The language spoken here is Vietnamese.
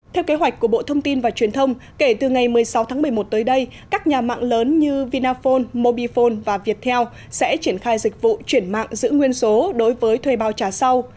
theo kế hoạch của bộ thông tin và truyền thông kể từ ngày một mươi sáu tháng một mươi một tới đây các nhà mạng lớn như vinaphone mobifone và viettel sẽ triển khai dịch vụ chuyển mạng giữ nguyên số đối với thuê bao trả sau